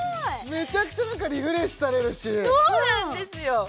めちゃくちゃリフレッシュされるしそうなんですよ